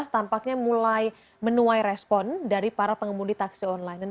tampaknya mulai menuai respon dari para pengemudi taksi online